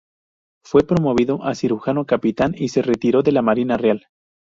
Fue promovido a cirujano capitán y se retiró de la Marina Real.